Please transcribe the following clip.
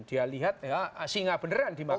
dia lihat ya singa beneran dimakan